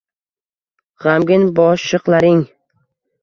G’amgin boqishlaring –